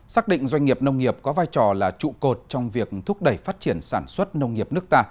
xác định doanh nghiệp nông nghiệp có vai trò là trụ cột trong việc thúc đẩy phát triển sản xuất nông nghiệp nước ta